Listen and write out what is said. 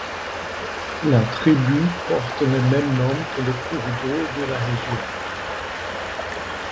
La tribu porte le même nom que le cours d'eau de la région.